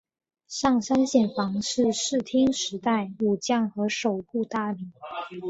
上杉显房是室町时代武将和守护大名。